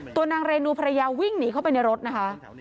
ตัวนางเรนูภรรยาวิ่งหนีเข้าไปในรถนะคะ